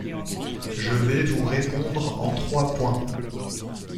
Je vais vous répondre en trois points.